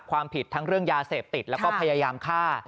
ความผิดทั้งเรื่องยาเสพติดแล้วก็พยายามฆ่า